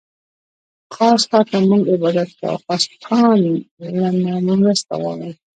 خاص تاته مونږ عبادت کوو، او خاص له نه مرسته غواړو